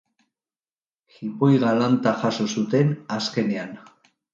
Jipoi galanta jaso zuten, azkenean.